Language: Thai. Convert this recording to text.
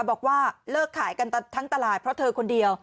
บอกว่าเลิกขายกันทั้งตลาดเพราะเธอคนเดียว